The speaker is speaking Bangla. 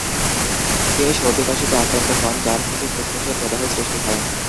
তিনি সর্দি-কাশিতে আক্রান্ত হন যার থেকে ফুসফুসের প্রদাহ সৃষ্টি হয়।